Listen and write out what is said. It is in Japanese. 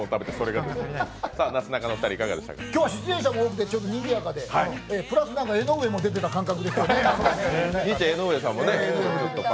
今日は出演者も多くてにぎやかでプラス江上も出てた感覚ですよね。